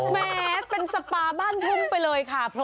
แม้เป็นสปาบ้านทุ่งไปเลยค่ะ